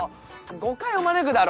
誤解を招くだろ。